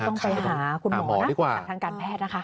ก็ต้องไปหาคุณหมอดีกว่าหาทางการแพทย์นะคะ